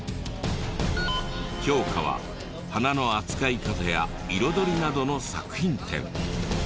評価は花の扱い方や彩りなどの作品点。